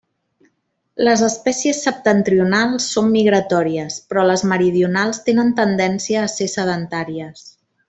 Les espècies septentrionals són migratòries, però les meridionals tenen tendència a ser sedentàries.